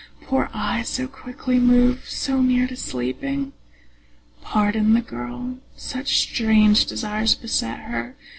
Poor eyes, so quickly moved, so near to sleeping? Pardon the girl; such strange desires beset her.